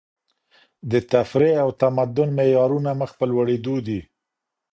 د تفريح او تمدن معيارونه مخ په لوړېدو دي.